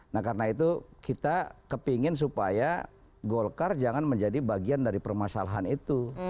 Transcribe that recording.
nah karena itu kita kepingin supaya golkar jangan menjadi bagian dari permasalahan itu